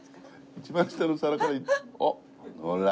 一番下の皿から。